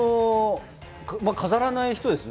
飾らない人ですね。